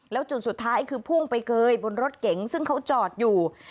แล้วจุดสุดท้ายคือพุ่งไปเกยบนรถเก๋งซึ่งเขาจอดอยู่